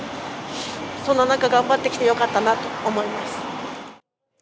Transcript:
そんな中、頑張ってきて良かったなと思います。